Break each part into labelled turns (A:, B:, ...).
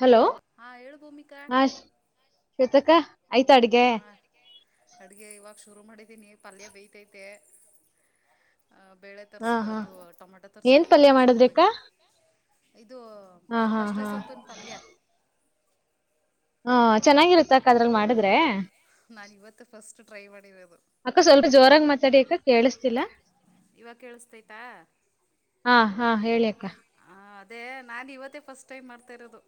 A: Hello
B: ಹಾ ಹೇಳು ಭೂಮಿಕಾ
A: ಹ ಶ್ವೇತಅಕ್ಕ ಆಯ್ತಾ ಅಡ್ಗೆ
B: ಹಾ ಅಡುಗೆ ಇವಾಗ ಶುರು ಮಾಡಿದೀನಿ ಪಲ್ಯ ಬೈತೈತೆ ್ ಬೇಳೆ
A: ಹಾ
B: ತರ್ಸ್ಬೇಕು
A: ಹಾ
B: ಅಥ್ವಾ ಟೊಮಾಟೊ
A: ಏನ್
B: ತರ್ಸ್್ಬೇಕು
A: ಪಲ್ಯ
B: ಬೇಳೆ
A: ಮಾಡಿದ್ರಿ
B: ಸಾಂಬಾರಿಗೆ
A: ಅಕ್ಕ
B: ಇದು
A: ಹಾ ಹಾ
B: ಬಸ್ಳೆ
A: ಹಾ
B: ಸೊಪ್ಪಿನ ಪಲ್ಯ
A: ಹಾ ಚೆನ್ನಾಗಿರುತ್ತ ಅಕ್ಕ ಅದ್ರಲ್ ಮಾಡಿದ್ರೆ
B: ನಾನು ಇವತ್ತು ಫಸ್ಟ್ ಟ್ರೈ ಮಾಡಿರೋದು
A: ಅಕ್ಕ ಸ್ವಲ್ಪ ಜೋರಾಗಿ ಮಾತಾಡಿ ಅಕ್ಕ ಕೇಳಿಸತಿಲ್ಲ
B: ಇವಾಗ ಕೇಳಿಸ್ತೈತಾ
A: ಹಾ ಹಾ ಹೇಳಿಅಕ್ಕ
B: ಹ ಅದೇ ನಾನು ಇವತ್ತೇ ಫಸ್ಟ್ ಟೈಮ್ ಮಾಡ್ತಾ ಇರೋದು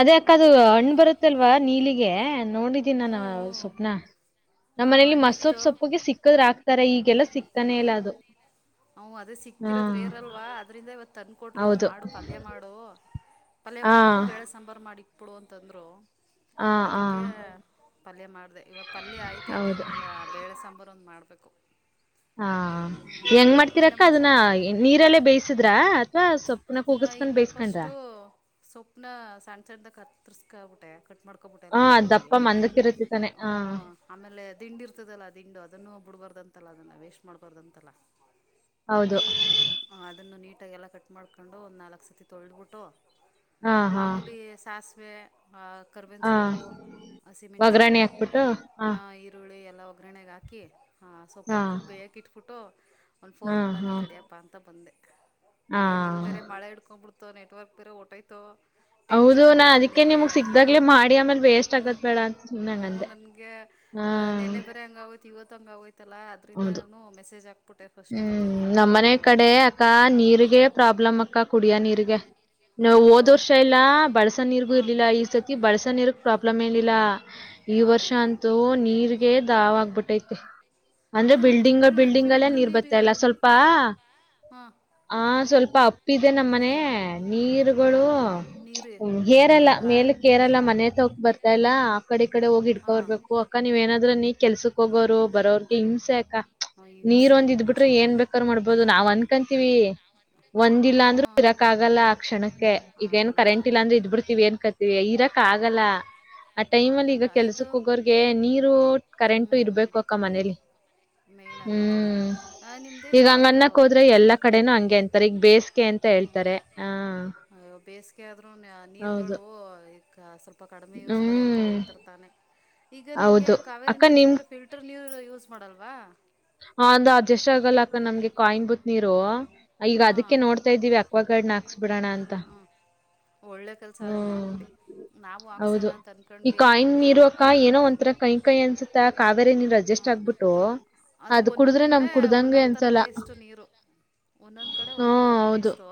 A: ಅದೇ ಅಕ್ಕದು ಹಣ್ಣ್ ಬರುತ್ತಲ್ವಾ ನೀಲಿಗೆ ನೋಡಿದೀನಿ
B: ಹ್ಞೂ
A: ನಾನ
B: ಹ್ಞೂ
A: ಸೊಪ್ನ ನಮ್ಮ್ ಮನಲಿ
B: ಹಣ್ಣಿತ್ತು
A: ಮಸ್ಸೊಪ್ಪ ಸೊಪ್ಪಗೆ ಸಿಕ್ಕದ್ರಾಕ್ತಾರ ಇಗ ಕೆಲ ಸಿಕ್ಕಾನೇ ಇಲ್ಲ ಅದು
B: ಹ್ ಅದೇ
A: ಹಾ
B: ಸಿಕ್ಕಿರೋದ್ರ ರರೆಅಲ್ವ ಅದ್ರಿಂದ ಇವತ್ ತಂದ ಕೊಟ್ರು
A: ಹೌದು
B: ಮಾಡು ಪಲ್ಯ ಮಾಡು ಪಲ್ಯ
A: ಹಾ
B: ಮಾಡ್ಬಿಟ್ಟು ಬೇಳೆ ಸಾಂಬಾರು ಮಾಡಿು ಅಪ್ಪಡು ಅಂತಂದರು
A: ಹಾ ಹಾ
B: ಅದಕ್ಕೆ ಪಲ್ಯ ಮಾಡ್ದ ಇವಾಗ ಪಲ್ಯ ಆಯ್ತ ಐತೆ
A: ಹೌದು
B: ಇನ್ನು ಬೇಳೆ ಸಾಂಬಾರ ಒಂದ್ ಮಾಡ್ಬ ಬೆಕ್ಕು
A: ಹಾ ಹೆಂಗ ಮಾಡ್ತಿರಾಕ
B: ಏನಮ್ಮ
A: ಅದನ್ನ
B: ಸಾಮ್
A: ನೀರಲ್ಲೇ ಬೇಯಿಸಿದ್ರ ಅಥವಾ ಸೊಪ್
B: ಹ ಇಲ್ಲ ಫಸ್ಟು ಸೊಪ್ನ ಸಣ್ಣ ಸಣದಗ್ ಕಾತ್ ತಿಸ್ಕಾಬ ಬಿಟ್ಟೆ ಕಟ್ ಮಾಡ ಹಬಿಟ್ಟಲ್ಲ
A: ಹಾ
B: ನೀಟಾಗಿ
A: ದಪ್ಪ ಮಂದಕ್ಕಿರುತ್ತೆ ತಾನೆ
B: ಹ
A: ಹಾ
B: ಆಮೇಲೆ ದಿಂಡ ಇರ್ತದಲ್ಲ ದಿಂಡು ಅದನ್ನು ಬಿಡ್ಬಾರ್ದಂತ ಅಂತಲ್ಲ ಅದನ್ನು ವೇಸ್ಟ್ ಮಾಡ್ಕಾರ್ದಂತಲ್ಲ
A: ಹೌದು
B: ಹ ಅದನ್ನು ನೀ ಎಲ್ಲ ಕಟ್ ಮಾಡ ತಕೊಂಡು ಒಂದು ನಾಲ್ಕಕ್ ಸತಿ ತೊಳಿಬಿಟ್ಟು
A: ಹಾ ಹಾ
B: ಮಾಮೂಲಿ ಸಾಸ್ ವೆ ಆ ಕರ್ವೇನ್
A: ಹಾ
B: ಸೊಪ್ಪು
A: ಒಗ್ಗರಣೆ
B: ಹಸಿಮೆಂಟ್ಸಿಕಾಯ್
A: ಹಾಕ್ಬಿಟ್ಟು ಹಾ
B: ಆ ಈರುಳ್ಳಿ ಎ ಎಲ್ಲ ಒಗ್ರರಣೆೆಗೆ ಹಾಕಿ ಹಾ
A: ಹಾ
B: ಸೊಪ್ಪಾಗ ಪುಟ್ಟ್ದಬ್ಯಾಕ್ಕೀಟ್ ಬುಟೋ ಒಂದು
A: ಹಾ
B: ಫೋನ್ ಮಾಡೋಣ
A: ಹಾ
B: ತಡಿಯಪ್ಪಾ ಅಂತ ಬಂದೆ
A: ಹಾ
B: ಬೇ ಮೆ ಎಡುಕೊಂಡ ತೊ ನೆಟ್ವರ್ಕ್ ಪೇರ ಒಟಯತೋ
A: ಹೌದು ನಾ ಅದಕ್ಕೆ ನಿಮಗ್ ಸಿಗ್ದಾಗ್ಲೇ ಮಾಡಿ ಆಮೇಲ್ ವೇಸ್ಟ್ ಆಗತ್ ಬೇಡ ಅಂತ ತಿ
B: ಹ್ಞೂ
A: ನಂಗಂದೆ
B: ನನಗೆ ನೆನ್ನೆ ಬರ ಹಂಗ ಅವತ್ ಇವತ್ತು ತಂಗಾವ ಇಲ್ಲ ಅದ್ರಂದ
A: ಹೌದು.
B: ನಾನ ಮೆಸೇಜ್ ಆಗ್ತ
A: ಹ್ಮ್ ನಮ್ಮನೆ ಕಡೆ ಅಕ್ಕ ನೀರ್ಗೆ
B: ಹ್ಞೂ
A: ಪ್ರಾಬ್ಲಮ್ ಆ ಕ್ಕ ಕುಡಿಯ ನೀರಿಗೆಗೆ ನ
B: ಓ
A: ಹೋದ್ ವರ್ಷ ಇಲ್ಲಾ ಬಳ್ಸ ನೀರ್ಗು
B: ಹಾಂ
A: ಇರ್ಲಿಲ್ಲ ಈ ಸರ್ತಿ ಬಳ್ಸ ನೀರ್ ಪ್ರಾಬ್ಲಮ್ ಏನಿಲ್ಲ ಈ
B: ಹಾಂ
A: ವರ್ಷ ಅಂತೂ ನೀರ್ ಗೆ ದಾವ ಆಗ್ಬಿಟ್ಟೈತೆ ಅಂದ್ರೆ
B: ಇದು ನೀವು
A: ಬಿಲ್ಡಿಂಗ್
B: ಫಿಲ್ಟ್ರ್
A: ಬಿಲ್ಡಿಂಗ ಎಲ್ಲ
B: ಫಿಲ್ಟ್ರ್
A: ಇರ್
B: ನೀರು
A: ತಲ್ಲ ಸ್ವಲ್ಪ
B: ಹಾಂ
A: ಆ ಸ್ವಲ್ಪ ಅಪ್ಪ ಇದೆ ನಮ್ಮ ಮನೆ ನೀರುಗಳು
B: ಹಾಂ ನೀರು
A: ಹೇರೆಲ್ಲ
B: ಇರಲ್ಲ
A: ಮೇಲಕ್ಕೆ ಏರೆಲ್ಲ ಮನೆ ತಕ ಬರ್ತಾ ಇಲ್ಲ ಆ ಕಡೆ ಈ ಕಡೆ ಹೋಗಿ
B: ಹಾಂ
A: ಇಡ್ಕೊರ್ಬೇಕು ಅಕ್ಕ ನೀವ್ ಏನಾದ್ರ ನೀ ಕೆಲ್ಸಕ್ ಹೋಗೋರು ಬರೋಗೆ ಹಿಂಸೆ ಅಕ್ಕ
B: ಹಹಿಂಸೆ
A: ಇ ಬಿಟ್ರೆ ಏನ್ ಬೇಕ್ರ ಮಾಡ್ಬೋದು ನಾವ್ ಅನ್ಕಂತೀವಿ ಒಂದ್ ಇಲ್ಲ ಅಂದ್ರರು
B: ಹಾಂ
A: ಇರಕ್ ಆಗಲ್ಲ ಆ ಕ್ಷಣಕ್ಕೆ ಈಗ ಏನು
B: ಆಗಲ್ಲ
A: ಕರೆಂಟ್ ಇಲ್ಲ
B: ತಾನೇ
A: ಅಂದ್ರೆ ಇದ್ ಬಿಡ್ತಿವಿ ಅನ್ಕತ್ತಿವಿ ಇರಕ್ ಆಗಲ್ಲ ಆ ಟೈಮ್ ಅಲ್ಲಿ
B: ಆಗಲ್ಲ
A: ಈಗ
B: ಇದು
A: ಕೆಲ್ಸಕ್ ಹೋಗೋರ್ಗೆ ನೀರು ಕರೆಂಟ್ ಇರ್ಬೇಕು ಅಕ್ಕ ಮನೇಲಿ
B: ಮೈನ್ ಅದೇ ತಾನೆ
A: ಹ್ಮ್ ಈಗ
B: ನಿಮ್ದೇನು
A: ಹಂಗ್ ಅನ್ನಕ್
B: ಇ
A: ಹೋದ್ರೆ ಎಲ್ಲಾ ಕಡೆನೂ ಹಂಗೆ ಅಂತಾರೆ ಈಗ ಬೇಸಿಗೆ ಅಂತ ಹೇಳ್ತಾರೆ ಹಾ
B: ಬೇಸಿಗೆ ಆದೂ
A: ಹೌದು
B: ನೀರ್ಗಳು ಸ್ವಲ್ಪ ಕಡಿಮೆ ಯೂಸ್ ಮಾಡಿ ಅಂತ
A: ಹ್ಮ್
B: ಹೇಳ್ತರ್ತಾನೆ ಈಗ ನಿಮ್ಗೆ
A: ಹೌದು
B: ಕಾವೇರಿ
A: ಅಕ್ಕ
B: ನೀರ್
A: ನಿಮ್
B: ಬಿಟ್ರೆ ಫಿಲ್ಟರ್ ಯೂಸ್ ಮಾಡಲ್ಲ ವಾ
A: ಹ ಅಂದ ಅಡ್ಜಸ್ಟ್ ಆಗಲ್ಲ ಅಕ್ಕ ನಮ್ಗೆ ಕಾಯಿಂಬತ್ ನೀರು ಈಗ
B: ಹಾಂ
A: ಅದಕ್ಕೆ ನೋಡ್ತಾ ಇದ್ದೀವಿ ಅಕ್ವ ಗಾರ್ಡ್ನ ಹಾಕ್ಸ್ಬಿಡೋಣ ಅಂತ
B: ಒಳ್ಳೆ ಕೆಲಸ ಅದನ್ನು
A: ಹ್ಮ
B: ಮಾಡಿಬಿಡಿ ನಾವು ಹಾಕ್ಸೋಣ
A: ಹೌದು
B: ಅಂತ
A: ಈ
B: ಅಂದ್ಕೊಂಡ್ವಿ
A: ಕಾಯಿಂಗ ಇರಕ
B: ಏ
A: ಏನೋ ಒಂಥರ ಕೈ ಕೈಿ ಅನ್ಸುತ್ತೆ ಬೇರ ನೀವ ಅಜಡ್ಜಸ್ಟ್ ಆಗ್ಬಿಟ್ಟು
B: ಅದು
A: ಅದ್
B: ಒಂದೊಂದು
A: ಕುಡಿದ್ರೆ ನಮ್
B: ಕಡೆ
A: ಕುಡ್ದಂಗೆ
B: ಒಂದೊಂದುಥರ
A: ಅನ್ಸಲ್ಲ
B: ಟೇಸ್ಟು ನೀರು ಒಂದೊಂದು ಕಡೆ
A: ಹ್ಮ
B: ಒಂದೊಂದು ಥರ
A: ಹೌದು
B: ಟೇಸ್ಟು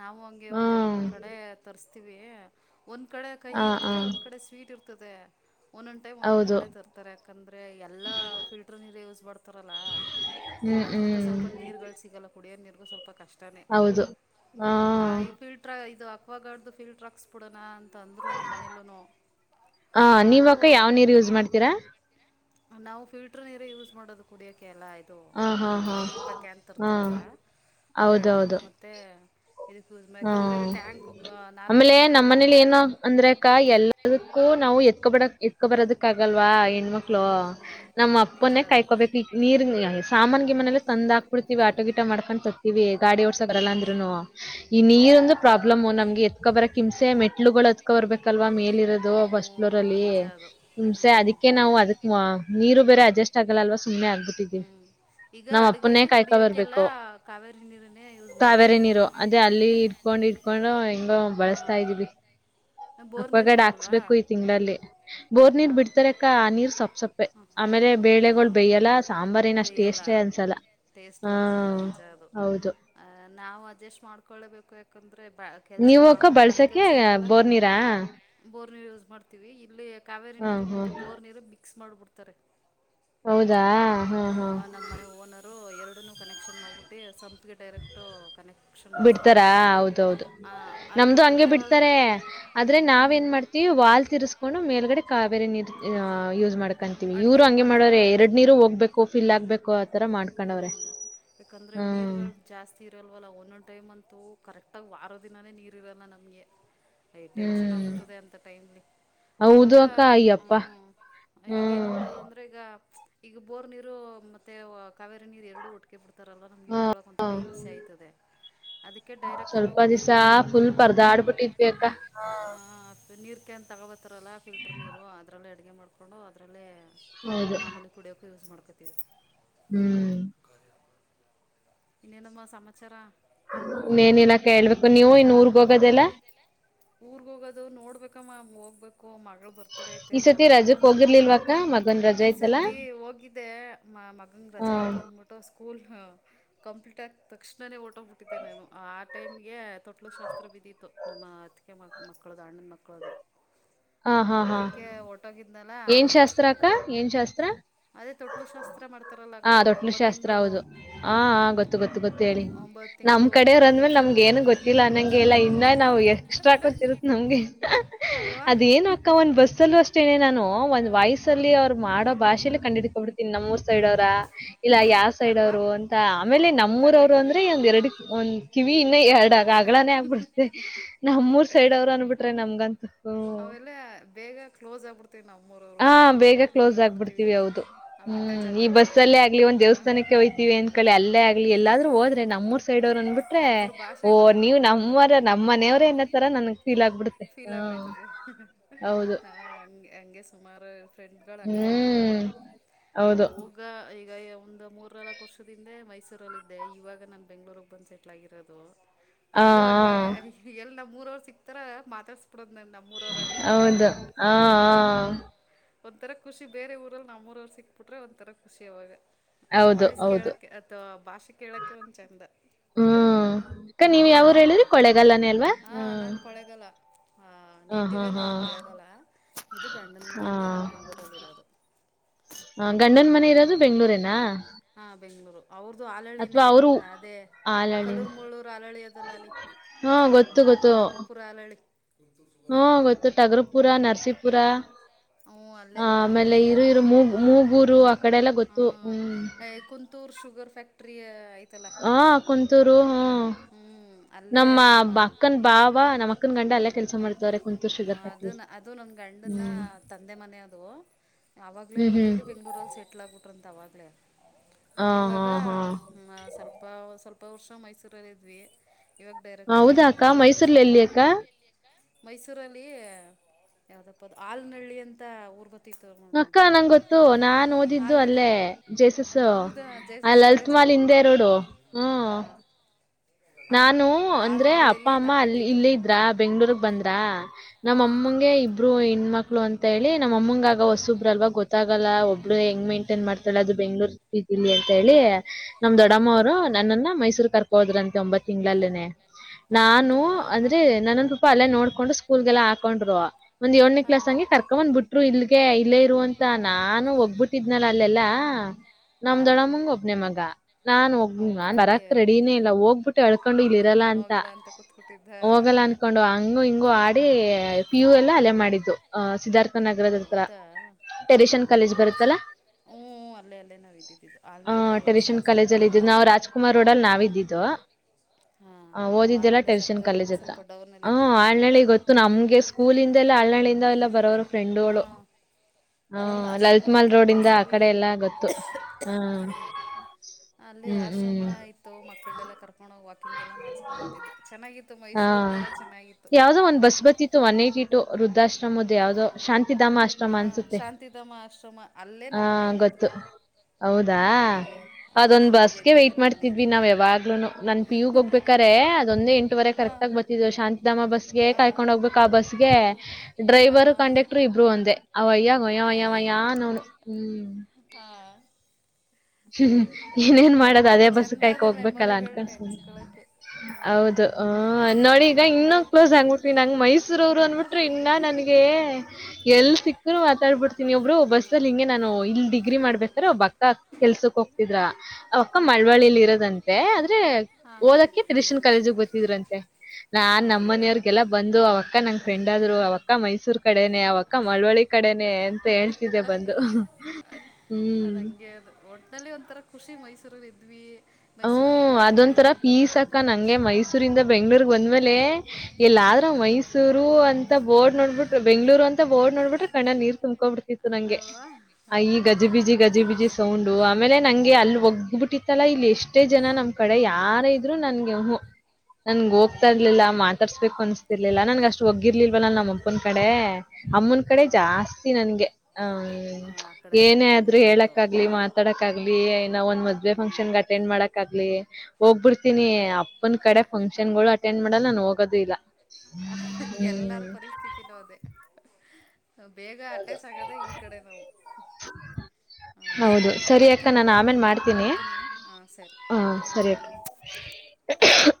B: ನಾವು ಹಂಗೆ ಒಂದು ಎರಡು
A: ಹ್ಮ್
B: ಮೂರು ಕಡೆ ತರಿಸಸವಿ ತವಿ ಒಂದ್ ಕಡೆ ಕಹಿ
A: ಹ ಹ
B: ಇರ್ತದೆ ಒಂದ್ ಕಡೆ ಸ್ವೀಟ್ ಇರ್ತದೆ ಪತದೆ. ಒಂದೊಂದ್ ಟೈಮ್ ಒನೊಂನ್ನೊಂದ್
A: ಹೌದು
B: ಕಡೆ ತರ್ತಾರೆ ಯಾಕಂದ್ರೆ. ಎಲ್ಲ ಫಿಲ್ಟರ್ ನೀರ ಯೂಸ್ ಮಾಡ್ತಾರಲ್ಲ
A: ಹ್ಮ್
B: ಅದರಿಂದದ
A: ಹ್ಮ್
B: ಸ್ವಲ್ಪ ನೀರುಗಳು ಸಿಗಲ್ಲ. ಕುಡಿಯ ನೀಿರಿಗೂ ಸ್ವಲ್ಪ ಕಷ್ಟ
A: ಹೌದು. ಆ
B: [inaudible] ಫಿಲ್ಟರ್ ಇದು. ಅಕ್ವಾ ಗಡ್ದು ಫಿಲ್ಟ್ ಅಕ್ಸುಬುಡೋಣ. ತಂದ್ರು ನಮ್ಮನೇಲ್ಲೂನು
A: ಆ ನೀವ್
B: ಅದು
A: ಅಕ್ಕ ಯಾವ್ ನೀರ್ ಯೂಸ್ ಮಾಡ್ತೀರಾ?
B: ನಾವು ಫಿಲ್ಟರ್ ನೀರ ಯೂಸ್ ಮಾಡೋದು ಕುಡಿಯಕ್ಕೆೆ ಎಲ್ಲ್ ಆಯ್ತಾ. ಇದು
A: ಆ ಹಾ ಹಾ
B: ಐದು ರೂಪಾಯಿ ಕ್ಯಾನ್
A: ಹಾ
B: ತರ್ತಾರಲ್ಲ ಅದೇ ಆಡುಗೆಗೂ.
A: ಹ್ಮ
B: ನಾಲ್ಕು
A: ಆಮೇಲೆ
B: ಮನೆ
A: ನಮ್ಮ ಮನೇಲಿ
B: ಇರೋದಲ್ವಾ
A: ಏನ ಅಂದ್ರಕ್ಕ ಎಲ್ಲದಕ್ಕೂ ನಾವು ಎತ್ಕಬೇಡ. ಎತ್ಕೊ ಬರೋದಕ್ಕಾಗಗಲ್ವಾ. ಹೆಣ್ಮಕ್ಳು
B: ಹ್ಞೂ
A: ನಮ್ಮ್
B: ನಿಜ
A: ಅಪ್ಪನೇ
B: ಅದು
A: ಕಾಯ್ಕೋಬೇಕು ನೀರ್. ಸಾಮಾನನ್ಗೆ ಮನೆಲ್ಲ ತಂದ್ಹಾ ಕ್ಬಡ್ತತಿವಿ ಆಟೋ ಗೀಟ ಮಾಡ್ೊಂಡು ತರ್ತೀವಿ. ಗಾಡಿ ಓಡ್ಸಓಕೇ ಬರಲ್ಲ
B: ಹಾಂ
A: ಅಂದ್ರೂನು.
B: ಹಾಂ
A: ನೀರಂದು ಪ್ರಾಬ್ಲಮ್ ನಮಗೆ ಎತ್ಕೊ ಬರಕ್. [inaudible] ಬಾಟ್ಲುಗಳು ಹೊತ್ಕೊ
B: ಹಾಂ
A: ಬರ್ಬೇಕಲ್ವಾ ಮೇಲ್ ಇರೋದು
B: ಹ್ಞೂ
A: ಫಸ್ಟ್ ಫ್ಲೋರ್ ಅಲ್ಲಿ
B: ನಿಜ ಅದು ಹ್ಞೂ
A: ಹಿಮ್ಸೆ ಅದಕ್ಕೆ ನಾವು ಅದಕ್ ನೀರು ಬೇರೆ ಅಡ್ಜಸ್ಟ್ ಆಗಲ್ಲ ಅಲ್ವಾ ಸುಮ್ಮನೆ ಆಗ್ಬಿಟ್ಟಿದ್ವಿ
B: ಹ್ಞೂ ಈಗ
A: ನಾವ್ ಅಪ್ಪನೇ
B: ಅಡುಗೆಗೆ
A: ಕಾಯ್ಕೊ
B: ಕುಡಿಯೋಕ್ಕೆಲ್ಲ
A: ಬರ್ಬೇಕು
B: ಕಾವೇರಿ ನೀರನ್ನೇ ಯೂಸ್ ಮಾಡೋದ
A: ತಾವೇರಿ
B: ನೀವು
A: ನೀರು. ಇಡ್ಕೊಂಡ್ ಇಡ್ಕೊಂಡ್. ಹಂಗ ಬಳಸ್ತಾ
B: ಹಾಂ
A: ಇದೀವಿ
B: ಬೋರ್ ನೀರು
A: ಅಕ್ಗಡೆ
B: ಬರಲ್ವಾ
A: ಹಾಕ್ಸ್ಬೇಕು ಈ ತಿಂಗಳಲ್ಲಿ ಬೋರ್ ನೀರ್
B: ಹಾಂ
A: ಬಿಡ್ತಾರೆಕ್ಕ ಆ ನೀರ್ ಸೊಪ್ಪ ಸೊಪ್ಪೆ ಆಮೇಲೆ ಬೇಳೆಗಳು
B: ಹಾಂ
A: ಬೇಯ್ಯಲ್ಲ ಸಾಂಬಾರ್ ಏನ ಅಷ್ಟ್
B: ಬೇಯಲ್ಲ
A: ಟೇಸ್ೇ
B: ಅದು
A: ಅನ್ಸಲ್ಲ
B: ಟೇಸ್ಟು ಅನಿಸಲ್ಲ
A: ಹಹ
B: ನಿಜ ಅದು
A: ಹೌದು.
B: ಕಳ್ಬೇಕು ಯಾಕಂದ್ರೆ ಬ ಕೆಲ್ಸ
A: ನೀವು ಅಕ್ಕ
B: ಮಾಮೂಲಿ ಮನೆ
A: ಬಳ್ಸಕ್ಕೆ
B: ಕೆಲ್ಸಕ್ಕೆಲ್ಲ
A: ಬೋರ್ ನೀರಾ
B: ಬೋರ್ ನೀರ್ ಯೂಸ್ ಮಾಡ್ತೀವಿ ಇಲ್ಲಿ ಕಾವೇರಿ
A: ಹ
B: ನೀರು
A: ಹ
B: ಮತ್ತ ಬೋರ್ ನೀರು ಮಿಕ್ಸ್ ಮಾಡ್ಬುಡ್. ತ್ತಾರೆ
A: ಹೌದಾ
B: ಹ
A: ಹಾ ಹಾ
B: ಆ ನಮ್ಮ ಮನೆ ಓನರು ಎರಡು. ಎರಡನ್ನು ಕನೆಕ್ಷನ್ ಮಾಡ್ಬಿಟ್ಟಿ ಸಂಪ್ಗೆ ಡೈರೆಕ್ಟು. ಕನೆಕ್ಷನ್
A: ಬಿಡ್ತಾರಾ
B: ಮಾಡಿಸ್ಬಿಟ್ಟೋರಲ್ಲ.
A: ಹೌದೌದು ನಮ್ದು ಹಂಗೆ ಬಿಡ್ತಾರೆ ಆದ್ರೆ ನಾವ
B: ಹ್ಞೂ
A: ಏನ್ ಮಾಡ್ತೀವಿ ವಾಲ್ ತಿರ್ಸ್ಕೊಂಡು ಮೇಲ್ಗಡೆ ಕಾ ಬೇರೆ ನೀರು.
B: ಹಾಂ
A: ಯೂಸ್ ಮಾಡ್ಕೊಂತೀವಿ ಇವ್ರು
B: ಅಡುಗೆಗೆ
A: ಹಂಗೆ ಮಾಡೋದು
B: ಮಾತ್ರ
A: ಎರಡ್ ನೀರು ಹೋಗ್ಬೇಕು ಫುಲ್ ಆಗ್ಬೇಕು. ಆತರ ಮಾಡ್ಕೊಂಡವ್ರೆ
B: ಹ್ಮ್ ಯಾಕಂದ್ರೆ
A: ಹ್ಮ್
B: ನೀರ್ಗಳು ಜಾಸ್ತಿ ಇರಲ್ವಲ್ಲ ಒನರ. ಟೈಮ್ಂತೂ ಕರೆಕ್ಟಾಗಿ ವಾರ ದಿನನೆ ನೀರಿರೋಲ್ಲ ನಮಗೆ. ಟೆನ್ಷನ್
A: ಹ್ಮ್
B: ಆಗಿಬಿಡಾತ್ತದೆ ಅಂತ ಟೈಮ್ಲಿ
A: ಹೌದು
B: ಅವಾಗ
A: ಅಕ್ಕ ಅಯ್ಯಪ್ಪ
B: ಹ್ಮ್ಮ್ ಈಗ ಏನು
A: ಹ್ಮ್
B: ಮಾಡೋದು ಅಂದ್ರೆ ಈಗ ಈಗ ಬೋರ್ ನೀರು ಮತ್ತೆ ಕಾವೇರಿ ನೀರು ಎರಡು ವಟಿಗೆ ಬರತ್ ಈ ತರ ಎಲ್ಲ ನಮಗ
A: ಹ
B: ಇಡಕೊಳಕ ಒಂಥರ ಹಿಂಸೆ ಆಯ್ತದೆ. ಅದಕ್ಕೆ ಡೈರೆಕ್ಟ್
A: ಸ್ವಲ್ಪ
B: ನಾವು
A: ದಿವ್ಸ
B: ಫಿಲ್ಟರ್ ವಾಟರ್,
A: ಫುಲ್ ಪರದಾಡ್ಬಿಟ್ಟಿದ್ವಿ ಅಕ್ಕ
B: ಹಾ ಅದ್ ನೀರ್ ಕ್ಯಾನ್ ತಗಬತಾರಲ್ಲ ಫಿಲ್ಟರ್ ನೀರು ಅದ್ರಲ್ಲೇ ಅಡ್ಗೆ ಮಾಡ್ಕೊಂಡು ಅದ್ರಲ್ಲೇ ಮಾಮೂಲಿ ಕುಡಿಯಕು ಯೂಸ್ ಮಾಡ್ [unintelligible]
A: ಹ್ಮು.
B: ಇನ್ನೇನಮ್ಮ ಸಮಾಚಾರ?
A: ಇನ್ನೇನಿಲ್ಲಕ್ಕ ಹೇಳ್ಬೇಕು ನೀವು ಇನ್ನು ಊರ್ಗ್ ಹೋಗದೆಲ್ಲ?
B: ಕೋ ಮಗಳ್ ಬರ್ತಡೆ ಐತೆ ನೋಡಣ, ಈ ಸತಿ ರಜಕ್
A: ಹೋಗಿರ್ಲಿಲ್ವಕ್ಕ
B: ಹೋಗಿರ್ಲಿಲ್ವ ಅಕ್ಕ?
A: ಮಗನ್ ರಜಾ
B: ಈ
A: ಐತಲ್ಲಾ
B: ಸತಿ ಹೋಗಿದ್ದೆ ಮ ಮಗನ್ಗ್
A: ಹ
B: ರಜಾ ಇತ್ತು ಅಂದ್ಬುಟ್ಟು ಸ್ಕೂಲ್ ಹಾ. ಕಂಪ್ಲೀಟ್ ಆದ್ ತಕ್ಷ್ಣನೇ ಒರ್ಟೋಗ್ಬುಟ್ಟಿದ್ದೆ ನಾನು ಆ ಟೈಮ್ಗೆ ತೊಟ್ಲು ಶಾಸ್ತ್ರ ಬಿದ್ದಿತ್ತು ನಮಾ ಅತ್ಗೆ ಮಕ್ ಮಕ್ಕಳದು ಅಣ್ಣನ ಮಕ್ಕಳದು.
A: ಹಾ
B: ಆ
A: ಹಾ ಹಾ
B: ಅದಕ್ಕೆ ಒರ್ಟೋಗಿದ್ ದಲಾ,
A: ಏನ್ ಶಾಸ್ತ್ರ ಅಕ್ಕ ಏನ್ ಶಾಸ್ತ್ರ
B: ಅದೇ ತೊಟ್ಲು ಶಾಸ್ತ್ರ ಮಾಡ್ತಾರಲ್ಲ
A: ಹಾ
B: ಗೊತ್ತಿಲ್ವಾ ಒಂಬತ್ ತಿಂಗಳು ಹ್ಮು
A: ತ್ತು ಗೊತ್ತು ಗೊತ್ತು ಹೇಳಿ ನಮ್ ಕಡೆವ್ರ್ ಅಂದ್ಮೇಲ್
B: ತಕ್ಷಣ
A: ನಮ್ಗ್ ಏನೂ ಗೊತ್ತಿಲ್ಲ ಅನ್ನಂಗಿಲ್ಲ ಇನ್ನ ನಾವು ಎಕ್ಸ್ಟ್ರಾ ಕೊತ್ತಿರುತ್ ನಮ್ಗೆ [unintelligible]
B: ಅಲ್ವಾ
A: ಅದ್ ಏನೋ ಅಕ್ಕ ಒಂದ್ ಬಸ್ಸಲ್ಲೂ ಅಷ್ಟೇನೆ ನಾನ್ ಓ ಒಂದ್
B: ಹಾಂ
A: ವಾಯ್ಸ್ ಅಲ್ಲಿ ಅವ್ರ್ ಮಾಡೋ ಭಾಷ್ [unintelligible] ಕಂಡಿಡಿ [unintelligible] ಇಲ್ ನಮ್ಮೂರ್
B: ಹ
A: ಸೈಡವ್ರಾ ಇಲ್ಲ ಯಾವ್
B: ಅಲ್ವಾ
A: ಸೈಡವ್ರು ಅಂತ ಆಮೇಲೆ ನಮ್ಮೂರ್ ಅವ್ರು
B: ಗೊತ್ತಾಗೋಯ್ತದೆ
A: ಅಂದ್ರೆ ಒಂದ್ ಎರಡು ಒಂದ್ ಕಿವಿ ಇನ್ನ ಎ ಅಗ್ಗಳಾನೇ ಆಗ್ಬಿಡ್ತೆ ನಮ್ಮೂರ್ ಸೈಡ್ ಅವರು ಅಂದ್ಬಿಟ್ರೆ ನಮ್ಗಂತ
B: ನ
A: ಹಾ ಬೇಗ ಕ್ಲೋಸ್ ಆಗ್ಬಿಡ್ತೀವಿ ಹೌದು
B: ಅಟ್ಯಾಚ್
A: ಹ್ಮ್ ಈ
B: ಆಗೋಯ್ತದೆ
A: ಬಸ್ಸಲ್ಲೇ ಆಗ್ಲಿ ಒಂದ್
B: ಹಾಂ
A: ದೇವಸ್ಥಾನಕ್ಕೆ ಹೋಯ್ತಿವಿ ಅಂದಕಳಿ ಅಲ್ಲೇ ಆಗ್ಲಿ ಎಲಾದ್ರು ಹೋದ್ರೆ ನಮ್ಮೂರ್ ಸೈಡ್ ಅಂದ್ಬಿಟ್ರೆ
B: ನಮ್ಮೂರು ಭಾಷೆ
A: ಓ ನೀವು್
B: ಗೊತ್ತಾಗೋಯ್ತದಲ್ಲ
A: ನಮ್ಮರ
B: ನಮಗೆ
A: ನಮ್ಮ್ ಮನೆಯವರ ಏನತ್ತರ ನನ್ಗ್ ಫೀಲ್ ಆಗ್ಬಿಡುತ್ತೆ
B: ಫೀಲ್
A: ಹ
B: ಆಗೋಯ್ತದೆ
A: ಹೌದು
B: ಹಗೆ ಸುಮಾರು ಫ್ರೆಂಡ್ ಗಳು ಹಂಗೆ ಆಗಿರೋದು
A: ಹ್ಮ್ ಹೌದು
B: ಹ ಈ ಈಗ ಒಂದು ಮೂರ್ ನಾಲ್ಕು ವರ್ಷದಿಂದೆ ಮೈಸೂರಲ್ಲಿದ್ದೆ ಇವಾಗ ನಾನು ಬೆಂಗಗಳೂರಿಗೆ ಬಂದು ಸೆಟ್ಲ್ ಆಗಿರೋದು
A: ಹಾ
B: ಅಲ್ಲೋ
A: ಹಾ
B: ಅಂಗೇ ಎಲ್ಲಿ ಮೂರವ್ರು ಸಿಕ್ತರ ಮಾತಾಡ್ ಅಡಂದ ನಮ್ಮೂರ ಅವರ ನೀವು ಅಂಥ
A: ಹೌದು ಹಾ ಹಾ
B: ಒಂ ತರ ಖುಷಿ ಬೇರೆ ಊರಲ್ಲಿ ನ್ ಮೂರವರ್ ಸಿಕ್ಬಿಟ್ರೆ ಒಂ ತರ ಖುಷಿ ಅವಾಗ
A: ಹೌದು
B: ವಾಯ್ಸ್
A: ಹೌದು
B: ಕೇಳಕ್ಕೆ ಅಥವಾ ಭಾಷ ಕಿಳಕ ಒಂದು ಚೆಂದ
A: ಹ್ಮ್ ಅಕ್ಕ ನೀವ್ ಯಾವ್ರ ಹೇಳ್ರಿ ಕೊಳೆಗಲ್ಲಾನೇ ಅಲ್ವಾ ಹ
B: ಹ ನೇಟಿವೇ ನಾ ಕೆಳಗಲ್ಲ ಇದು ಗಂಡನ ಮನೆಯಲ್ಲಿ ನನ್ ಬೆಂಗ್ಗಳೂರಲ್ಲಿ ಇರೋದು
A: ಹ ಗಂಡನ್ ಮನೆ ಇರೋದು
B: ಹ್ಮ್
A: ಬೆಂಗ್ಳೂರನ
B: ಅವ್ರದುು ಆಲಳಿನೇ ಅದೇ
A: ಆಲಳ್ಳಿ
B: ಕಲ್ಲರ್ ಮುಳು
A: ಹಾ ಗೊತ್ತು ಗೊತ್ತು
B: ಟಗರ್ಪುರ ಆಲಳಿ
A: ಹ್ಮ ಗೊತ್ತು ಟಗರಪುರ ನರಸೀಪುರ
B: ಹ್ಞೂ ಅಲ್ಲೇ
A: ಆ ಆಮೇಲೆ
B: ಅಲ್ಲಳ್ಳಿ
A: ಇರು ಇರು ಮೂ ಮೂಗೂರು ಆ ಕಡೆ ಎಲ್ಲ ಗೊತ್ತು
B: ಹ್ಞೂ
A: ಹ್ಮ್
B: ಪ
A: ಹ ಕನ್ ತ್ತುುರುೋ ಹ
B: ಹ್ಮ್ ಅಲ್ಲೇ ನಮ್ಮ
A: ಅಕ್ಕನ್ ಬಾವ ನಮ್ಮ ಅಕ್ಕನ್ ಗಂಡ ಅಲ್ಲೇ
B: ಹ್ಮ್
A: ಕೆಲಸ ಮಾಡ್ತವ್ರೆ ಕುಂತೂರು ಶುಗರ್
B: ಅದು
A: ಫ್ಯಾಕ್ಟರಿ
B: ಅದು ನನ್ ಗಂಡನ
A: ಹ್ಮ್
B: ತಂದೆ ಮನ ಅದು ಅವಾವಾಗ್ಲೇ
A: ಹ್ಮ್
B: ಬಂದ
A: ಹ್ಮ್
B: ಇಲ್ಲಿ ಬೆಂಗ್ಳೂರಲ್ಲಿ ಸೆಟ್ಲ್ ಆಗ್ಬಿಟ್ರಂತ ಅವಾಗ ಹಲ
A: ಹಾ
B: ಇವಾಗ
A: ಹಾ ಹಾ
B: ಹ ಸ್ವಲ್ಪ ಸ್ವಲ್ಪ ವರ್ಷ ಮೈಸ ಬರುದು ಇವಾಗ ಡೈರೆಕ್ಟ್ ಆಗಿ
A: ಹೌದಾ
B: ಬಂದು
A: ಅಕ್ಕ
B: ಬೆಂಗ್ಳೂರಲ್ಲೇ
A: ಮೈಸೂರಲ್ಲಿ
B: ಸೆಟ್ಲ್ ಆ
A: ಎಲ್ಲಿ ಅಕ್ಕ
B: ಮೈಸೂರಲ್ಲಿ ಯಾವ್ದಪ್ಪ ಅ ಹಲ್ನಳ್ಳಿ ಅಂತ ಊರ್ ಬ
A: ಅಕ್ಕ ನಂಗಗೆ ಗೊತ್ತು ನಾನ್ ಓದಿದ್ದು
B: ಆಲ್ನಹಳ್ಳಿ
A: ಅಲ್ಲೇ ಜೇಸಸ್
B: ಹೌದಾ ಜೆ ಸಿ
A: ಅ
B: ಎಸ್ ಕಾಲೇಜು
A: ಲಲ್ತ್ಮಲ್ ಹಿಂದೆರೋಡು ಹ್ಮ
B: ಹಾಂ ಆಲ್
A: ನಾನು ಅಂದ್ರೆ ಅಪ್ಪ
B: ಆಲ್ನಹಳ್ಳಿಲಿ
A: ಅಮ್ಮ ಅಲ್ಲಿ
B: ನಾವಿದ್ದಿದ್ದು
A: ಇಲ್ಲೇ ಇದ್ರ ಬೆಂಗ್ಳೂರ್ಗ್ ಬಂದ್ರ ನಮ್ಮ
B: ಹ್ಞೂ
A: ಅಮ್ಮಗೆ ಇಬ್ರು ಹೆಣ್ಮಕ್ಳು ಅಂತ ಹೇಳಿ ನಮ್ಮಮ್ಮಂಗ ಆಗ
B: ಹ್ಞೂ
A: ಹೊಸೊಬ್ರಲ್ವ ಗೊತ್ತಾಗಲ್ಲ ಹೆಂಗ ಮೈಂಟೈನ್ ಮಾಡ್ತಾಳ್ ಅದು ಬೆಂಗ್ಳೂರ್ ಇದ್ದೀನಿ ಅಂತ ಹೇಳಿ ನಮ್
B: ಹ್ಞೂ
A: ದೊಡ್ಡಮ್ಮ ಅವರು ನನ್ನನ್ನ ಮೈಸೂರುಗ್ ಕರ್ ಹೋದ್ರನ್ ಒಂಭತ್ತ್ ತಿಂಗ್ಳಲ್ಲೇನೆ ನಾನು
B: ಹೌದಾ ಹಾಂ
A: ಅಂದ್ರೆ ನನ್ನುನ್
B: ಹಾಂ
A: ಪಾಪ ಅಲ್ಲೇ ನೋಡ್ಕೊಂಡು ಸ್ ಸ್ಕೂಲ್ಗೆಲ್ಲಾ ಹಾಕೊಂಡ್ರು ಒಂದ್ ಏಳ್ನೇ
B: ಹಾಂ
A: ಕ್ಲಾಸಂಗ್ ಕರ್ಕಂಡ್ ಬಂದ್ ಬಿಟ್ರು ಇಲ್ ಕೇ ಇಲ್ಲೇ ಅಂತ
B: ಹಾಂ
A: ನಾನು ಹೋಗ್ಬಿಟ್ಟಿದ್ನಲ್ಲ ಅಲ್ಲೆಲ್ಲಾ
B: ಹಾಂ
A: ನಮ್ದೊಡಮ್ಮಂಗ ಒಬ್ನೆ ಮಗ ನಾನ್ ಒಬ್
B: ಅವು
A: ನಾನ್
B: ಅಲ್ಲೇ
A: ಬರಕ್ ರೆಡಿನೇ ಇಲ್ಲ
B: ಹ್ಞೂ
A: ಹೋಗ್ ಬಿಟ್ಟು ಹಳ್ಕೊಂಡು ಇಲ್ಲಿ ಇರಲ್ಲ
B: ನಾನು
A: ಅಂತ
B: ಹೋಗಲ್ಲ ಕೂತ್ಬಿಟ್ಟಿದ್ದ
A: ಹೋಗಲ್ಲ
B: ಹಾಂ
A: ಅನ್ಕೊಂಡು ಹಂಗು ಹಿಂಗು ಆಡಿ ಪಿ ಯು ಎಲ್ಲ ಅಲ್ಲೇ
B: ಹ್ಞೂ
A: ಮಾಡಿದ್ದು ಅ ಸಿದ್ಧಾರ್ಥ ನಗರದ ಹತ್ರ
B: ಹೌದಾ
A: ಟೆರಿಷನ್ ಕಾಲೇಜ್
B: ಹ
A: ಬರುತ್ತಲ್ಲ
B: ಹ್ಞೂ ಅಲ್ಲೇ ಅಲ್ಲೇ ನಾವು ಇದ್ದಿದ್ದಿದ್ದು
A: ಆ
B: ಆಲ್ನಳ್ಳಿ ಸ
A: ಟೆರಿಷನ್ ಕಾಲೇಜ್ ಅಲ್ಲಿ
B: ಸರ್ಕಲಲ್ಲಿ
A: ಇದ್ದಿದ್ ನಾವು ರಾಜ್ಕುಮಾರ್ ರೋಡ್ ಅಲ್ ನಾವ್
B: ಹ್ಞೂ
A: ಇದ್ದಿದ್ದು.
B: ಹಾಂ
A: ಹ
B: ನಾವು
A: ಓದಿದ್ದೆಲ್ಲ
B: ಆಲ್ನಳ್ಳಿ
A: ಟೆರಿಷನ್
B: ಸರ್ಕಲಿಂದ
A: ಕಾಲೇಜ್ ಹತ್ರ
B: ಸ್ವಲ್ಪ ಡೌನಲ್ಲಿ
A: ಹ
B: ಇದ್ದಿದ್ದು ನಾವು
A: ಆಲ್ನಳ್ಳಿ ಗೊತ್ತು ನಮ್ಗೆ ಸ್ ಸ್ಕೂಲಿಂದ ಎಲ್ಲ ಅಲ್ನಳ್ಳಿಂದ ಎಲ್ಲ ಬರೋರು ಫ್ರೆಂಡುಗಳು
B: ಹಾಂ ಅಲ್ಲೊಂದು
A: ಹ್ಮ
B: ಆಶ್ರಮ
A: ಲಲಿತ್ ಮಹಲ್
B: ಇತ್ತು
A: ರೋಡ್ ಇಂದ ಆ
B: ವಾಸವಿ
A: ಕಡೆ ಎಲ್ಲಾ ಗೊತ್ತು
B: ಹ್ಞೂ ಅಲ್ಲಿ
A: ಹ್ಮ್ ಹ್ಮ ಹ್ಮ್
B: ಕಿಂಗೆಲ್ಲ ಮಾಡ್ಸ್ಕೊಂಡ್ ಬತ್ತಿದ್ದೆ ಚೆನ್ನಾಗಿತ್ತು
A: ಹಾ
B: ಮೈಸೂರು ಒಂತರ ಚೆನ್ನಾಗಿತ್ತು.
A: ಅನೀಜಿಟು ವೃದ್ಧಾಶ್ರಮದ್ ಯಾ ಅದು ಶಾನ್ ತಿಧಾಮ ಆಶ್ರಮ
B: ಹಾಂ
A: ಅನ್ಸುತ್ತೆ
B: ಶಾಂತಿಧಾಮ ಆಶ್ರಮ ಅಲ್ಲೇ
A: ಹ
B: ನಮ್ಮ ಮನೆ ಇದ್ದಿದ್ದು
A: ಗೊತ್ತು ಹೌದಾ
B: ಹ್ಞೂ
A: ಅದೊಂದ್
B: ಆಶ್ರಮದ
A: ಬಸ್ಗೆ
B: ಎದುರಿಗೆ
A: ವೈಟ್
B: ನಮ್ಮ ಮನೆ
A: ಮಾಡ್ತಿದ್ವಿ ನಾವ್
B: ಇದ್ದಿದ್ದು
A: ಯಾವಾಗ್ಲೂನು ನನ್ ಹೋಗ್ಬೇಕಾರೆ ಅದೊಂದೇ ಎಂಟುವರೆ ಕರೆಕ್ಟ್
B: ಹಾಂ
A: ಆಗ್ ಬತ್ತಿದ್ದಿದ್ದು ಶಾಂತಿಧಾಮ ಬಸ್ಗೆ
B: ಹಾಂ
A: ಕಾಯ್ಕೊಂಡ್ ಹೋಗ್ಬೇಕು ಆ ಬಸ್ಗೆ ಡ್ರೈವರ್
B: ಹಾಂ
A: ಕಂಡಕ್ಟರ್ ಇಬ್ರು ಮುಂದೆ ಅವಯ್ಯ ವಯ್ಯ ವಯ್ಯ ವಯ್ಯಾ ಅನ್ನೋನು ಹ್ಮ್
B: ಹಾ
A: ಹ್ಮ ಏನೇನ್ ಮಾಡದು ಅದೇ ಬಸ್
B: ಚೆಂದ
A: ಕಾಯ್ಕ
B: ಅದು
A: ಹೋಗ್ಬೇಕಲ್ಲ
B: ಮೆಮೊರಿಗಳು
A: ಅನ್ಕಂಡ್ ಸುಮ್
B: ನೆನ್ಸ್ಕೊಳಕ್ಕೆ ಹ್ಞೂ
A: ಹೌದು ಹ ನೋಡಿ ಈಗ
B: ನಾನು
A: ಇನ್ನೊ
B: ಅಲ್ಲಿ
A: ಕ್ಲೋಸ್ ಆಗ್ಬಿಟ್ವಿ ನಂಗ್ ಮೈಸೂರವ್ರು ಅನ್ಬಿಟ್ರೆ ಇನ್ನ ನನ್ಗೆ ಎಲ್ ಸಿಕ್ಕರು ಮಾತಾಡ್ಬಿಡ್ತೀನಿ ಒಬ್ರು ಬಸ್ಸಲ್ಲಿ ಹಿಂಗೆ ನಾನು ಇಲ್ ಡಿಗ್ರಿ ಮಾಡ್ಬೇಕರೆ ಓಬಕ್ಕ ಕೆಲ್ಸಕ್ ಹೋಗ್ತಿದ್ರ? ಅವಕ್ಕ
B: ಹಾಂ
A: ಮಳವಳ್ಳಿಲ್ ಇರೋದಂತೆ ಆದ್ರೆ
B: ಹಾಂ
A: ಓದಕ್ಕೆ ಟೇರಿಷನ್ ಕಾಲೇಜಿಗೆ ಬತ್ತಿದ್ರಂತೆ ನಾನ್
B: ಅಲ್ಲಿ
A: ನಮ್ಮನಿಯವ್ರಗೆಲ್ಲ ಬಂದು ಅವಕ್ಕ ನಂಗ್ ಫ್ರೆಂಡ್ ಆದ್ರು ಅವಕ್ಕ ಮೈಸೂರ್ ಕಡೆನೆ ಅವಕ್ಕ ಮಳವಳ್ಳಿ ಕಡೆನೆ ಅಂತ ಹೇಳ್ತಿದ್ದೆ ಬಂದು ಅಹ್ ಹ್ಮ್
B: ಟ್ನಲ್ಲಿ ಒಂಥರ ಖುಷಿ ಮೈಸೂ ರಲ್ಲಿದ್ವಿ
A: ಹ್ಮ ಅದೊಂತರ ಪೀಸಕ್ಕ
B: ಒಂಥರ
A: ನಂಗೆ
B: ಖುಷಿ
A: ಮೈಸೂರಿಂದ ಬೆಂಗ್ಳೂರ್ಗ್ ಬಂದ್ಮೇಲೆ
B: ಹ್ಞೂ
A: ಎಲ್ಲಾದ್ರೂ ಮೈಸೂರು ಅಂತ ಬೋರ್ಡ್ ನೋಡ್ ಬಿಟ್ ಬೆಂಗಳೂರು ಅಂತ ಬೋರ್ಡ್ ನೋಡ್ಬಿಟ್ರೆ ಕಣ್ಣಲ್ ನೀರ್ ತುಂಬ್ಕಬುಡು ಇತ್ತು ನಂಗೆ
B: ಅಲ್ವಾ
A: ಆ ಈ ಗಜಬೀಜಿ ಗಜಿಬೀಜಿ
B: ಮೈಸೂರು
A: ಸೌಂಡು ಆಮೇಲೆ ನಂಗೆ
B: ಅದೇ
A: ಅಲ್ಲಿ
B: ತಾನೆ
A: ಒಗ್ಬಿಟ್ಟಿತ್ತಲ್ಲಾ ಇಲ್ಲಿ ಎಷ್ ಜನ ನಮ್ ಕಡೆ ಯಾರೆ ಇದ್ರು ನನ್ಗೆ ಉಹು ನನ್ಗೆ
B: ಹ್ಞೂ
A: ಹೋಗ್ತಾ ಇರ್ಲಿಲ್ಲ ಮಾತಾಡ್ಸ್ಬೇಕು ಅನ್ಸ್ತಿರ್ಲಿಲ್ಲ ನನ್ಗೆ ಅಷ್ ಒಗ್ಗಿರ್ಲಿಲ್ವ ನಾ ನಮ್ಮ ಅಪ್ಪನ ಕಡೆ ಅಮ್ಮನ್ ಕಡೆ
B: ಹಾಂ
A: ಜಾಸ್ತಿ ನನ್ಗೆ
B: ಹ
A: ಹ್
B: ಆ ಕಡೆ ಎಲ್ಲ
A: ಏನೇ ಆದ್ರು
B: ಹೋಗ್ಬಿಟ್ಟಿದ್ದಿದ್ದು
A: ಹೇಳಕ್ ಆಗ್ಲಿ ಮಾತಾಡಕ್ ಆಗ್ಲಿ ನ ಒಂದ್ ಮದ್ವೆ
B: ಹ್ಮ್
A: ಫಂಕ್ಷನ್ ಅಟೆಂಡ್ ಮಾಡಕ್ ಆಗ್ಲಿ ಹೋಗ್ಬಿಡ್ತೀನಿ
B: ನೋಡಿ
A: ಅಪ್ಪಂದ ಕಡೆ ಫಂಕ್ಷನ್ ಗಳು ಅಟೆಂಡ್ ಮಾಡಲ್ಲ ನಾನ ಹೋಗ್ ಗದು ಇಲ್ಲ. ಹ್ಮ್
B: ಎಲ್ಲಾರ ಪರಿಸ್ಥಿತಿನೂ ಅದೇ ಬೇಗ ಅಟೆಸ್ ಆಗೋದೆ ಈ ಕಡೆ ನಾವು ಹಾಂ
A: ಹೌದು
B: ಸರಿಮ್ಮ
A: ಸರಿ ಅಕ್ಕ ನಾನ್
B: ಮಾಡ್ತೀನಿರು
A: ಆಮೇಲ್ ಮಾಡ್ತೀನಿ
B: ನೋಡ್ತೀನಿ ಹಾಂ ಸರಿ
A: ಹಾ ಸರಿ [unintelligible]